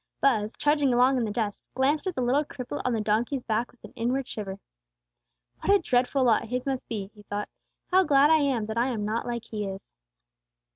Buz, trudging along in the dust, glanced at the little cripple on the donkey's back with an inward shiver. "What a dreadful lot his must be," he thought. "How glad I am that I am not like he is!"